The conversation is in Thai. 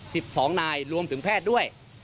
สิบสองนายรวมถึงแพทย์ด้วย